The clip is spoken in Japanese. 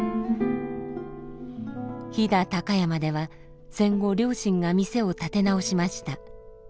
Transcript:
飛騨高山では戦後両親が店を立て直しました。